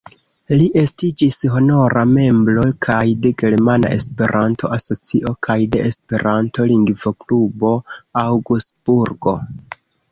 Li estiĝis honora membro kaj de Germana Esperanto-Asocio kaj de Esperanto-Lingvoklubo Aŭgsburgo.